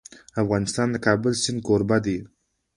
افغانستان د د کابل سیند کوربه دی.